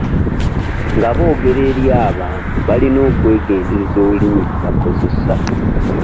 Nga boogera eri abantu, balina okwegendereza olulimi lwe bakozesa.